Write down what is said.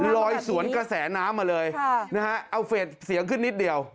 ลอยสวนกระแสน้ำมาเลยนะฮะเอาเฟสเสียงขึ้นนิดเดียว